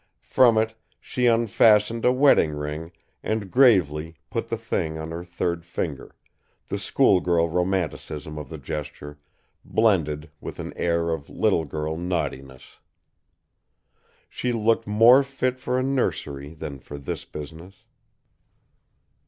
From it she unfastened a wedding ring and gravely put the thing on her third finger, the school girl romanticism of the gesture blended with an air of little girl naughtiness. She looked more fit for a nursery than for this business.